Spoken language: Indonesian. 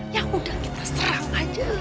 ya udah kita serang aja